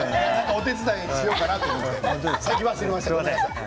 お手伝いしようかなと思って動かしてしまいました。